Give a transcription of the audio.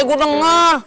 iya gue denger